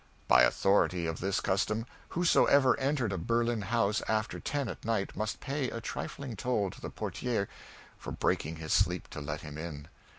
By authority of this custom, whosoever entered a Berlin house after ten at night must pay a trifling toll to the portier for breaking his sleep to let him in.